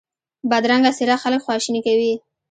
بدرنګه څېره خلک خواشیني کوي